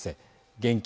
現金